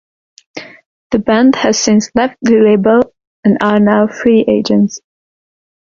The band has since left the label and are now "free agents".